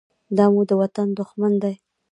دا مو د وطن دښمن دى.